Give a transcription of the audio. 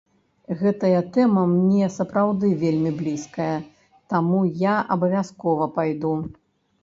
Гэтая тэма мне сапраўды вельмі блізкая, таму я абавязкова пайду.